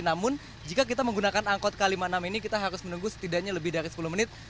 namun jika kita menggunakan angkot k lima puluh enam ini kita harus menunggu setidaknya lebih dari sepuluh menit